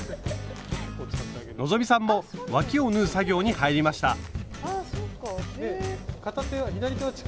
希さんもわきを縫う作業に入りました。